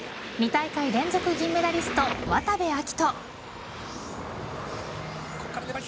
２大会連続銀メダリスト渡部暁斗。